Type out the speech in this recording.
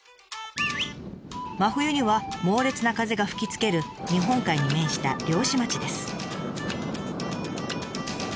真冬には猛烈な風が吹きつける日本海に面した漁師町です。